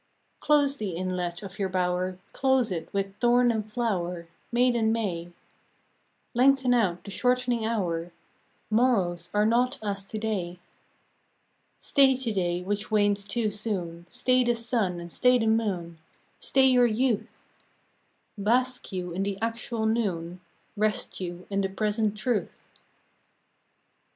Close the inlet of your bower, Close it close with thorn and flower, Maiden May: Lengthen out the shortening hour, — Morrows are not as to day. Stay to day which wanes too soon, Stay the sun and stay the moon, Stay your youth ; Bask you in the actual noon, Rest you in the present truth.